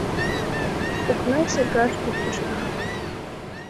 Окна сергаш кӱктышна